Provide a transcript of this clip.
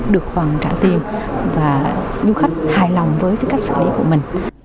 được hoàn trả tiền và du khách hài lòng với cái cách xử lý của mình